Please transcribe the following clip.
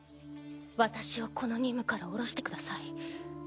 私をこの任務から降ろしてください。